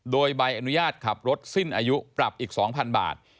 โดยใบอนุญาตขับรถสิ้นอายุปรับอีก๒๐๐บาท